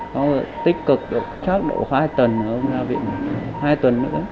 không tích cực chắc độ hai tuần ông ra viện hai tuần nữa